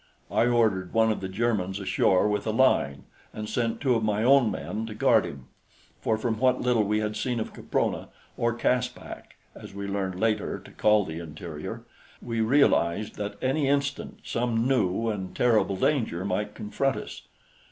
I ordered one of the Germans ashore with a line, and sent two of my own men to guard him, for from what little we had seen of Caprona, or Caspak as we learned later to call the interior, we realized that any instant some new and terrible danger might confront us.